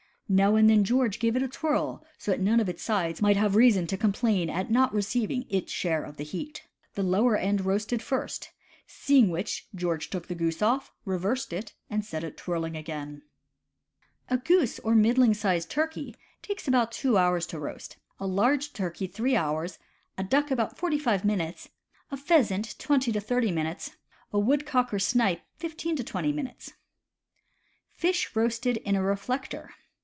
Now and then George gave it a twirl so that none of its sides might have reason to com plain at not receiving its share of the heat. The lower end roasted first; seeing which, George took the goose off, reversed it, and set it twirling again. A goose or a middling sized turkey takes about two hours to roast, a large turkey three hours, a duck about forty five minutes, a pheasant twenty to thirty minutes, a woodcock or snipe fifteen to twenty minutes. Fish Roasted in a Reflector.